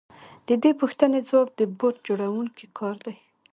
د دې پوښتنې ځواب د بوټ جوړونکي کار دی